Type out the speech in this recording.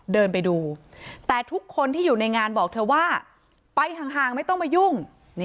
เดินไปดูแต่ทุกคนที่อยู่ในงานบอกเธอว่าไปห่างไม่ต้องมายุ่ง